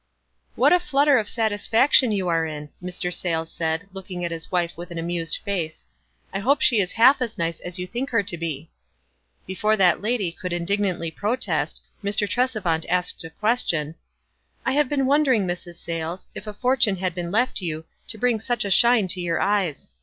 "What a flutter of satisfaction you are in," Mr. Saylcs said, looking at bis wife with an amused face. "I hope she is half as nice as you think her to be." Before that lady could indignantly protest, Mr. Tresevant asked a question, — "I have been wondering, Mrs. Sayles, if a fortune had been left you, to bring such a shine to your eyes.